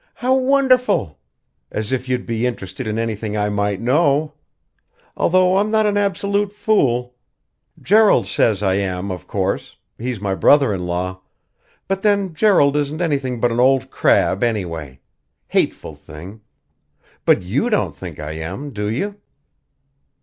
How wonderful! As if you'd be interested in anything I might know! Although I'm not an absolute fool. Gerald says I am, of course he's my brother in law but then Gerald isn't anything but an old crab, anyway. Hateful thing! But you don't think I am, do you?"